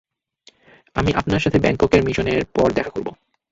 আমি আপনার সাথে ব্যাংকক এর মিশনের পরে দেখা করব।